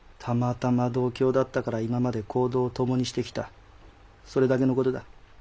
たまたま同郷だったから今まで行動を共にしてきたそれだけの事だ。